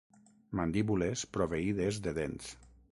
Mandíbules proveïdes de dents.